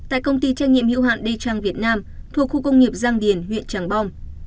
tại công ty trách nhiệm hiệu hạn đê trang việt nam thuộc khu công nghiệp giang điền huyện tràng bom